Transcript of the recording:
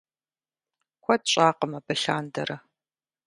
Куэд щӀакъым абы лъандэрэ.